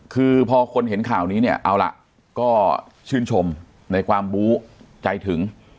คือพอคนเห็นข่าวนี้เนี่ยเอาล่ะก็ชื่นชมในความบู้ใจถึง